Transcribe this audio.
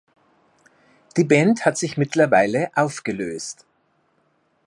Die Band hat sich mittlerweile aufgelöst.